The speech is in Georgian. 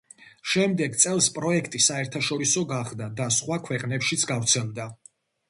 შემდეგ წელს პროექტი საერთაშორისო გახდა და სხვა ქვეყნებშიც გავრცელდა.